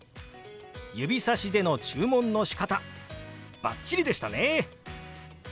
指さしでの注文のしかたバッチリでしたね！